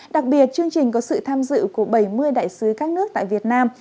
đặc biệt chương trình có sự tham dự của bảy mươi đại sứ các nước tại việt nam